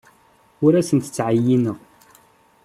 Ur asent-ttɛeyyineɣ.